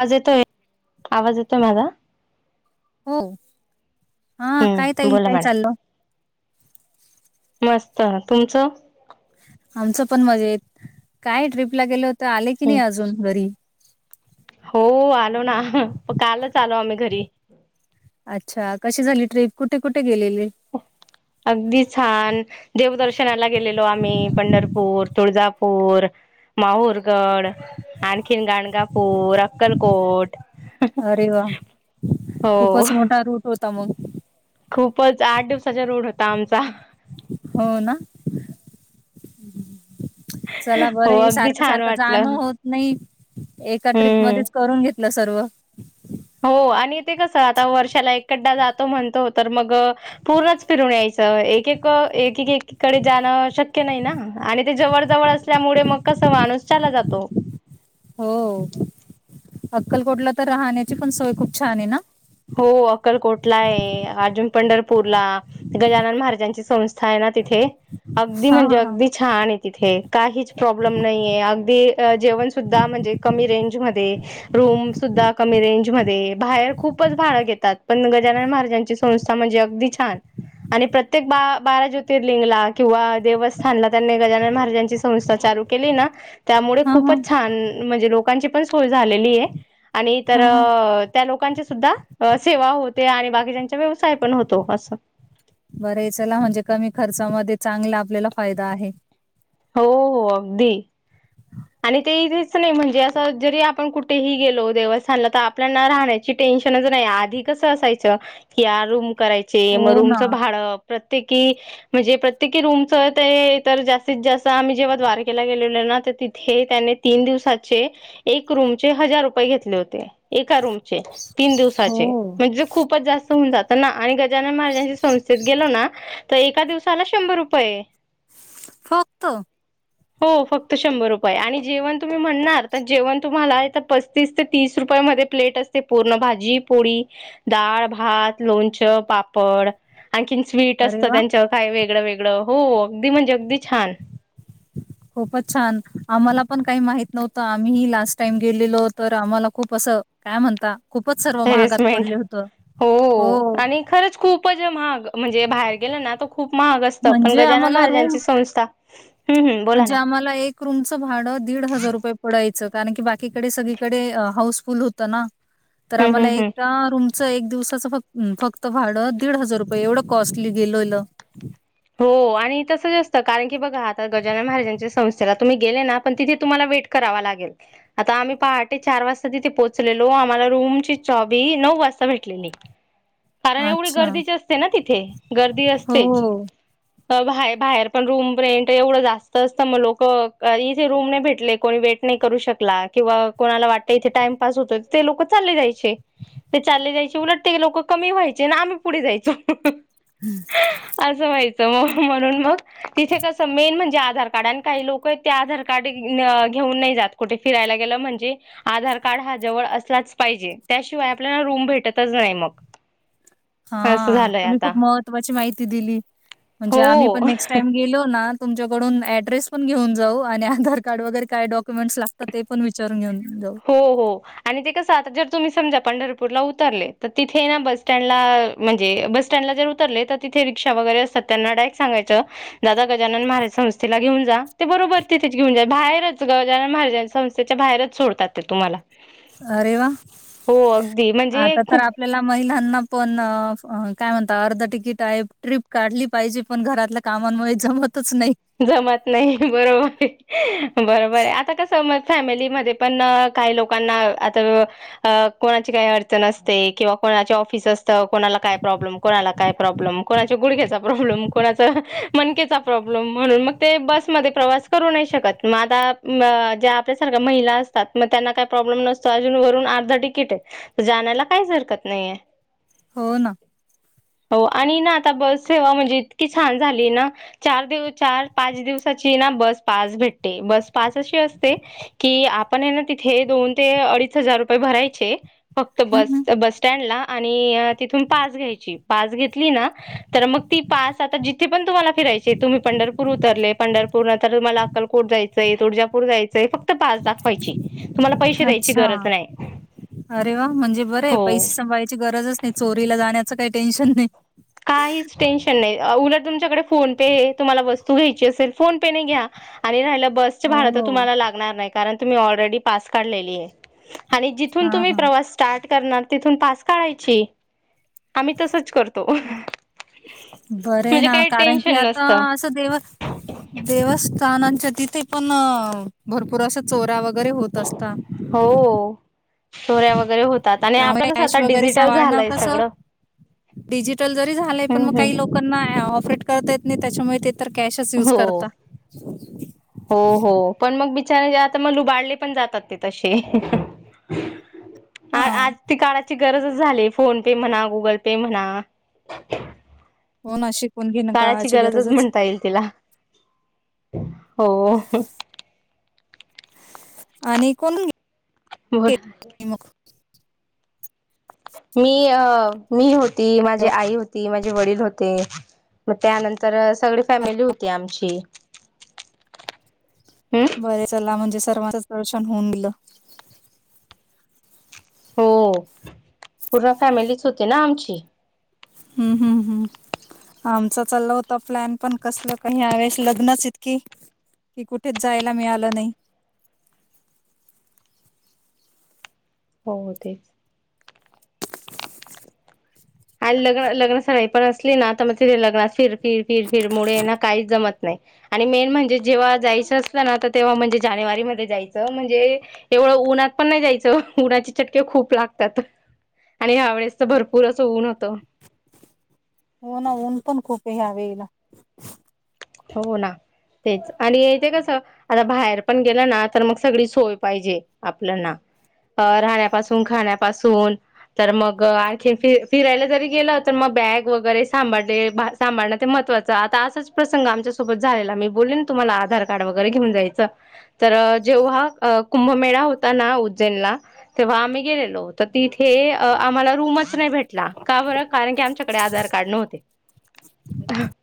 आवाज येतोय, आवाज येतोय माझा? हो हा काय हम्म ताई बोला काय मॅडम चाललं. मस्त तुमचं? आमचं पण मजेत काय ट्रिपला गेले होते आले की नाही हम्म. अजून घरी. हो आलो ना कालच आलो आम्ही घरी. अच्छा कशी झाली ट्रीप कुठे कुठे गेलेली? अगदी छान देवदर्शनाला गेलेलो आम्ही पंढरपूर, तुळजापूर, माहुरगड, आणखीन गाणगापूर, अक्कलकोट, अरे वा हो खूपच मोठा रूट होता मग. खूपच आठ दिवसाचा रोड होता आमचा. हो ना. चला बरं हो आहे अगदी सारखं छान सारखं जाण वाटलं होत- नाहीं एकां ट्रीप हम्म मध्येचं करूंन घेतलं सर्व हो आणि ते कसं आंता वर्षाला एककड्डां जातो म्हणतो तरं मंग पूर्णचं फिरूंन यायचं एक एक एककडे जाणं शक्यं नाहीं नां आणि ते जवळं जवळं त्यांमुळें मंग कसं माणूंस चालां जातो हो अक्कलकोटलां तरं राहण्यांची पणं सोयं खूंप छांन आहे नां हो अक्कलकोटलां आहे अजूंन पंढरपूरलां गजानन महाराजांची संस्था आहे नां तिथे अगदीं हा म्हणजे हा हा अगदीं छांन आहे तिथे कांहींचं प्रॉब्लेम नाहीये अगदीं जेवणं सुुंद्धा म्हणजे कमी रेंजमध्यें रूंम सुद्धां कमी रेंज मध्यें बाहेर खूंप खूपचं भाडं घेतांत पणं गजानन महाराजांची संस्था म्हणजे अगदीं छांन आणि प्रत्येक बा बारां ज्योतिर्लिंगला किंवा देवस्थांनला त्यांनी गजानन महाराजांची संस्था चालूं केली नां त्यांमुळे हा हा खूपचं छांन म्हणजे लोकांची पणं सोयं झालेली आहे आणि हा हा तरं त्यां लोकांचे सुद्धां सेवां होते आणि बाकीच्यांचा व्यवसांय पणं होतो असं बरं आहे चलां म्हणजे कमी खर्चामध्यें चांगला आपल्याला फायदां आहे. हो हो अगदीं आणि ते इथेच नाहीं म्हणजे असं जरी आपणं कुठेही गेलो देवस्थांनला तरं आपल्यांला राहण्यांची साठी टेन्शनचं नाहीं आंधी कसं असायचं की यां रूंम करायचे मंग हो ना रूंमचं भाडं प्रत्येकी म्हणजे प्रत्येकी रूंमचं ते तरं जास्तीत जास्तं आम्हीं जेव्हां द्वारकेला गेलेलो नां हे त्यांने तीनं दिवसांचे एकां रूमचे हजांर रुपये घेतले होते एकां रूमचे तीनं हो दिवसांचे म्हणजे खूपचं जास्तं होऊंन जातं नां आणि गजानन महाराजांच्या संस्थेत गेलो नां तरं एकां दिवसांला शंभर रुपये आहे फक्तं हो फक्तं शंभर रुपये आणि जेवणं तुम्हीं म्हणणांर तरं जेवणं तुम्हांला तरं पस्तीस ते तीस रुपयां मध्यें प्लेट असं पूर्ण भाजी पोळी डाळं भांत लोणचं पापड आंणखीन स्वीट अरे असतं वा त्यांच्यावरं कायं वेगळं वेगळं हो अगदीं म्हणजे अगदी छांन खूपचं छांन आम्हांला पणं कांहीं माहित नव्हतं आम्हीं लास्टं टाईम गेलेलो तरं आम्हांला खूंप असं कायं म्हणतां खूपचं सर्व महागांत हॅरेसमेंट पडले होतं हो खरंच खूपचं महांग म्हणजे बाहेर गेलं नां तरं खूंप महांग असतं पणं म्हणजे गजानन आम्हाला रूम महाराजांची संस्था हम्म हम्म बोला म्हणजे ना आम्हांला एक रूमचं भाडं दीड हजांर रुपये डायचं कारणं की बाकीकडे सगळींकडे हाऊसफुल होतं नां तरं हम्म आम्हांला हम्म हम्म एक रूंम एक दिवसाचं फ फक्तं भाडं दीड हजांर रुपये एवढं कॉस्टली गेलोलं हो आणि तसं जास्तं कारणं की बघां आंता गजानन महाराजांच्या संस्थेला तुम्हीं गेले नां पणं तिथे तुम्हांला वेट करांवा लागेल आंता आम्हीं पहाटे चार वाजतां तिथे पोहोचलेलो आम्हांला रूंम ची चॉबी नऊ वाजतां भेटलेली कारणं एवढी अच्छा. गर्दीची असते नां तिथे गर्दी असतेचं हो. बाहे बाहेर पणं रूंम रेंट एवढं जास्तं असतं मंग लोकं इथे रूंम नाहीं भेटले कोणी भेटं नाहीं करूं शकलां किंवा कोणांला वाटतं इथे टाईमपास होतो ते लोकं चालले जायचे ते चालले जायचे उलटते की लोकं कमी व्हायचे नां आम्हीं पुढे जायचो हम्मं म्हणूंन मंग तिथे कसं मेन म्हणजे आधार कार्ड कांहीं लोकं ते आधार कार्ड घेऊंन नाहीं जातं कुठे फिरायला गेलं म्हणजे आधार कार्ड हा जवळ असलाच पाहिजे त्याशिवाय आपल्याला रूम भेटतच नाही मग. [inaudible] हा झालंय तुम्ही आता खूप महत्त्वाची माहिती दिली म्हणजे आम्ही हो पण नेक्स्ट टाइम गेलो ना तुमच्याकडून ऍड्रेस पण घेऊन जाऊ आणि आधार कार्ड वगैरे काय डॉक्युमेंट्स लागतात ते पण विचारून घेऊन जाऊ हो हो आणि ते कसं आता जर तुम्ही समजा पंढरपूरला उतरले तर तिथे ना बस सटँडला म्हणजे बस स्टँडला जर उतर तर तिथे रिक्षा वगैरे असत त्यांना डायरक्ट सांगाचं दादा गजानन महाराज संस्थेला घेऊन जा ते बरोबर तिथेच घेऊन जा बाहेरच गजानन महाराज संस्थ च्या बाहेरच सोडतात ते तुम्हाला, अरे वाह! हो अगदी म्हणजे आता तर खूप आपल्याला महिलांना पण काय म्हणत अर्ध तिकीट आहे ट्रिप काढली पाहिजे पण घरातल्या कामांमुळे जमतच नाही जमत नाही बरोबर बरोबर आहे आता कसं मत फॅमिलीमध्ये पण काही लोकांना आता अ कोणाची काही अडचण असते किंवा कोणाचे ऑफिस असत कोणाला काय प्रॉब्लेम कोणाला काय प्रॉब्लेम कोणाच्या गुडघ्याचा प्रॉब्लेम कोणाचा मनकेचा प्रॉब्लेम म्हणून मग ते बसमध्ये प्रवास करू नाही शकत मग आता ज्या आपल्यासारख्या महिला अस तात मग त्यांना काही प्रॉब्लेम नसतो अजून वरून अर्धा तिकीट आहे जाण्याला काहीच हरकत नाहीये हो ना हो आणि ना आता बस सेवा म्हणजे इतकी छान झाली ना चार दिव चार पाच दिवसाची ना बस पास भेटते बस पास अशी असते कि आपण आहे ना तिथे दोन ते अडीच हजार रुपये भरायचे फक्त हं, बस हं. बस स्टँडला आणि तिथून पास घ्यायची पास घेतली ना तर मग ती पास आता जिथे पण तुम्हाला फिरायचेय तुम्ही पंढरपूर उतरले, पंढरपूरला आता तुम्हाला अक्कलकोट जायचंय तुळजापूर जायचय फक्त फक्त पास दाखवायची तुम्हाला पैसे द्यायची अच्छा. गरज नाही अरे वा म्हणजे बरं आहे हो पैसे सांभाळायची गरजच नाही चोरीला जाण्याचं काही टेन्शन नाही. काहीच टेन्शन नाही उलट तुमच्याकडे फोन पे आहे तुम्हाला वस्तू घ्यायची असेल फोन पे नाही घ्या. आणि राहिलं बसच भाडं तर हो. तुम्हाला लागणार नाही कारण तुम्ही ऑलरेडी पास काढलेली आहे. आणि जिथून हां, तुम्ही हां. प्रवास स्टार्ट करणार तिथून पास काढायची. आम्ही तसच करतो. बरे आहे ना काही कारण की टेन्शन आता नसतं असं देव देवस्थानांच्या तिथे पण भरपूर असा चोऱ्या वगैरे होत [unintelligible] हो चोऱ्या वगैरे होतात आणि आता त्यामुळे कसं कॅश आता वगैरे डिजिटल सांभाळणं झालंय कसं सगळं. डिजिटल जरी झालंय पण हम्म मग हम्म काही लोक लोकांना ऑपरेट करता येत नाही, त्याच्यामुळे ते तर कॅशच युज हो करता. हो हो पण मग बिचारे आता मग ल लुबाडले पण जातात ते तसे [inaudible] आ हा आज ते काळाची गरजच झालीय फोन पे म्हणा गुगल पे म्हणा हो ना शिकून घेण काळाची गरजच आहे. तिला हो आणि कोण [unintelligible] [unintelligible] मी अ मी होती माझी आई होती माझे वडील होते. मग त्यानंतर सगळी फॅमिली होती आमची. हम्म, बरे चला म्हणजे सर्वांचं दर्शन होऊन गेलं. हो, पूर्ण फॅमिलीच होती ना आमची. हम्म हम्म हम्म, आमचा चालला होता प्लॅन पण कसल काही यावेळीस लग्नच इतकी. की, कुठेच जायला मिळालं नाही. हो हो ते, आणि लग्न लग्न सराई पण असली ना तर मग ति लग्नास फिर फिर फिर फिर मुळे ना काही जमत नाही. आणि मेन म्हणजे जेव्हा जायचं असत ना तर तेव्हा म्हणजे जानेवारी मध्ये जायचं म्हणजे. एवढं उन्हात पण नाही जायचं उन्हाचे चटके खूप लागतात. आणि ह्या वेळेस तर भरपूरच असं ऊन होतं. होणं ऊन पण खूप यावेळीला. हो ना तेच आणि इथे कसं. आता बाहेर पण गेलं ना तर मग सगळी सोय पाहिजे आपल्याना. अ राहण्यापासून खाण्यापासून. तर मग आणखी फि फिरायला जरी गेलं तर मग बॅग वगैरे सांभाळले बास. सांभाळणे महत्वाचं आता असंच पस. संग आमच्या सोबत झाले मी बोलन तुम्हाला आधार कार्ड वगैरे घेऊन जायचं. तर जेव्हा अ कुंभमेळा होता ना उज्जैनला. तेव्हा आम्ही गेलेलो तर तिथे अ आम्हाला रूमच नाही. भेटला का बर. कारण की, आमच्याकडे आधार कार्ड नव्हते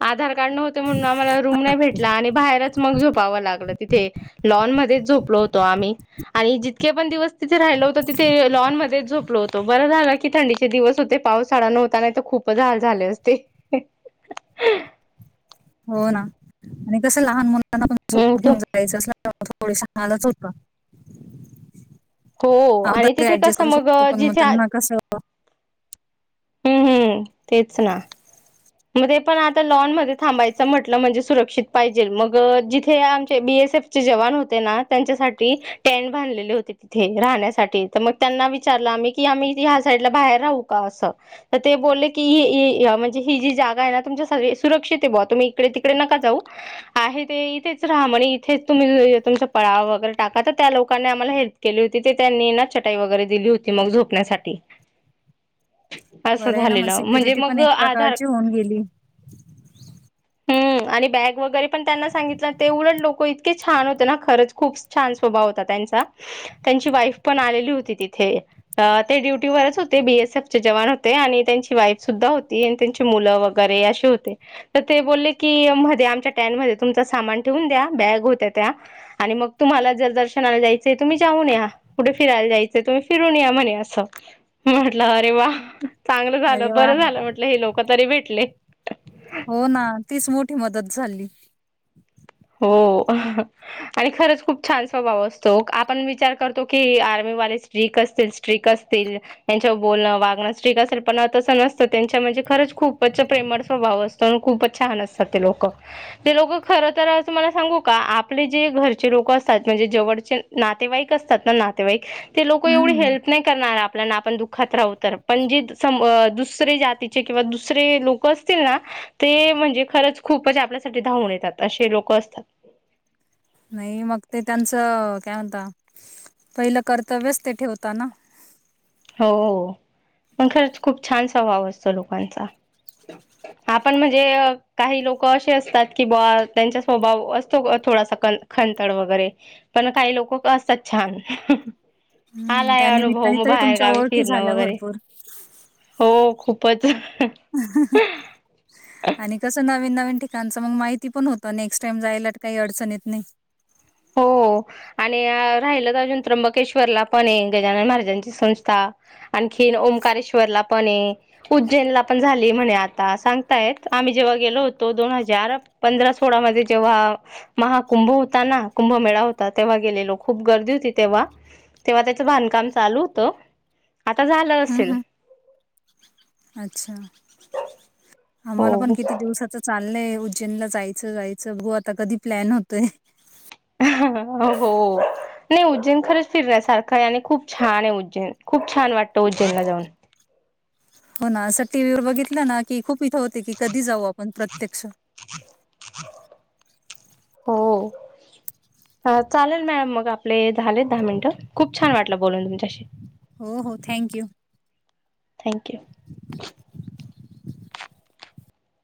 आधार कार्ड नव्हते. म्हणून आम्हाला रूम नाही भेटला आणि बाहेरच मग झोपावं लागलं तिथे. लॉन मध्येच झोपलो होतो आम्ही. आणि जितके पण दिवस तिथे राहिला होता. तिथे लॉन मध्येच झोपल होतो. बरं झालं की, थंडीचे दिवस होते. पाऊस नव्हता नाही तर खूपच हाल झाले असते. हो ना, आणि कसं लहान मुलांना पण हम्म सोप तो होऊन जात. [inaudible] च म थोडीस हलच होत हो [inaudible] आणि तिथे ऍडजस्ट कसं करू मग शकतो पण मग जिथे त्यांना कस हम्म हम्म तेच ना, मग ते पण आता लॉनमध्ये थांबायचं म्हटलं म्हणजे सुरक्षित पाहिजे मग जिथे आमचे बीएस एफ. जे जवान होते ना त्यांच्यासाठी. टेंट बांधलेले होते. तिथे राहण्यासाठी तर मग त्यांना विचारलं आम्ही की, आम्ही ह्या साईडला बाहेर राहू. का अस ते बोलले की ए ए ए म्हणजे. ही जी जागा आहे ना तुमच्या सुरक्षित आहे बुवा तुम्ही इकडे तिकडे नका जाऊ. आहे ते इथेच राहा म्हणे इथेच तुम्ही तुमचा पळाव वगैरे टाका तर त्या लोकांनी आम्हाला हेल्प. केली होती ते त्यांनी ना चटाई वगैरे दिली होती मग झोपण्यासाठी. असं झालेलं म्हणजे मग आधार. येऊन गेली. हम्म, आणि बॅग वगैरे पण त्यांना सांगितलं ते उलट लोक इतके छान होते. ना खरंच खूप छान स्वभाव होता त्यांचा. त्यांची वाईफ पण आलेली होती तिथे. ते ड्युटीवरच होते बीएसएफ चे जवान होते आणि त्यांची वाईफ सुद्धा होती आणि त्यांची. मुलं वगैरे असे होते. तर ते बोलले की, मध्ये आमच्या टॅनमध्ये तुमचा सामान ठेवून द्या बॅग होत्या त्या. आणि मग तुम्हाला जर दर्शनाला जायचंय तुम्ही जाऊन या. कुठे फिरायला जायचंय तुम्ही फिरून या म्हणे असं म्हटलं अरे वा चांगलं अरे झालं वा बरं झालं म्हटलं हे लोक तरी भेटले हो ना तीच मोठी मदत झाली. हो हो आणि खरंच खूप छान स्वभाव असतो आपण विचार करतो की आर्मीवाले स्ट्रीक असतील. स्ट्रिक असतील त्यांच्यावर बोलणं वागणंच स्ट्रीक असेल पण तसं नसतं त्यांच्या म्हणजे खरंच खूपचं प्रेमळ स्वभाव असतो. खूपच छान असतात ते लोक ते लोक खरं तर तुम्हाला सांगू का आपले जे घरचे लोक असतात म्हणजे जवळचे नातेवाईक असतात ना नातेवाईक ते लोक एवढे हम्म हेल्प नाही करणार आप आपल्याना आपण दुःखात राहू तर पण जे स दुसरे जातीचे किंवा दुसरे लोक असतील ना ते म्हणजे खरंच खूपे आपल्यासाठी धावून येतात असे लोक असतात. नाही मग ते त्यांचं काय म्हणता पहिलं कर्तव्यच ते ठेवता ना. हो मग खरंच खूप छान स्वभाव असतो लोकांचा आपण म्हणजे काही लोक असे असतात की बा त्यांचा स्वभाव असतो थोडासा कण खंतड वगैरे पण काही लोक असतात छान हम्म आलाय त्या अनुभव निमित्ताने मग तरी बाहेर तुमच्या गावी ओळखी फिरणं झाल्या वगैरे भरपूर हो खूपचं [unintelligible] आणि कसं नवीन नवीन ठिकाणचं मग माहिती पण होत नेक्स्ट टाइम जायला काही अडचण येत नाही. हो. आणि राहिलं अजून त्र्यंबकेश्वरला पण गजानन महाराजांची संस्था आणखीन ओंकारेश्वरला पण आहे. उज्जैनला पण झाली म्हणे आता सांगतायेत आम्ही जेव्हा गेलो होतो दोन हजार पंधरा सोळामध्ये जेव्हा महाकुंभ होता ना कुंभमेळा होता तेव्हा गेलेलो खूप गर्दी होती तेव्हा तेव्हा त्याच बांधकाम चालू होत आता झालं हम्म असेल. हम्म अच्छा आम्हाला पण हो किती दिवसाच चाललंय उज्जैनला जायचं जायचं गु आता कधी प्लॅन होतंय. हो नाही उज्जैन खरंच फिरण्या सारखं आहे आणि खूप छान आहे उज्जैन खूप छान वाटतं उज्जैनला जाऊन. हो ना असं टी व्ही वर बघितलं ना की खूप इथं होते की कधी जाऊ आपण प्रत्यक्ष [unintelligible] हो चालेल मॅम मग आप आपले झालेत दहा मिनिटं खूप छान वाटलं बोलून तुमच्याशी हो हो थँक यू थँक्यू. [unintelligible]